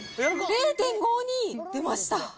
０．５２？出ました。